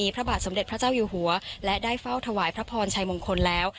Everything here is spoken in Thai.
พระบาทสมเด็จพระเจ้าอยู่หัวและได้เฝ้าถวายพระพรชัยมงคลแล้ว